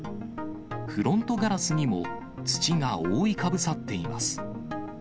フロントガラスにも土が覆いかぶさっています。